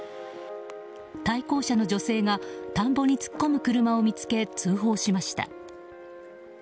対向車の女性が田んぼに突っ込む車を見つけ通報しました。